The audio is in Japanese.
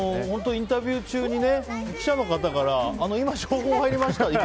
本当インタビュー中に記者の方から今、情報入りました